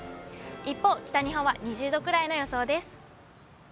一方、北日本は２０度くらいの予想です。